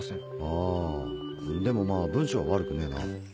ああでもまあ文章は悪くねえな。